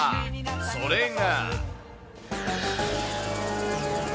それが。